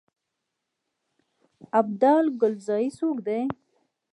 ابدال کلزايي څوک دی.